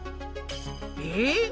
えっ！